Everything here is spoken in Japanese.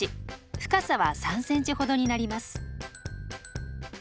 深さは３センチほどになります。